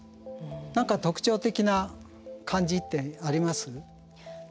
何か特徴的な感じってあります？